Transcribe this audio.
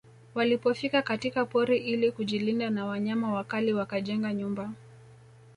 Walipofika katika pori hilo ili kujilinda na wanyama wakali wakajenga nyumba